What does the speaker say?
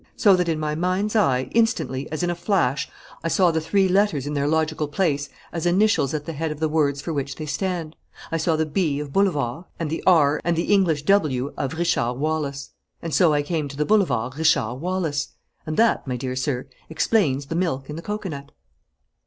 So that in my mind's eye, instantly, as in a flash, I saw the three letters in their logical place as initials at the head of the words for which they stand. I saw the 'B' of 'boulevard,' and the 'R' and the English 'W' of Richard Wallace. And so I came to the Boulevard Richard Wallace, And that, my dear sir, explains the milk in the cocoanut."